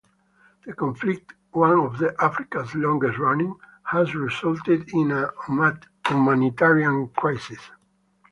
The conflict, one of Africa's longest running, has resulted in a humanitarian crisis.